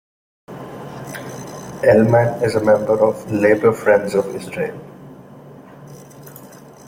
Ellman is a member of Labour Friends of Israel.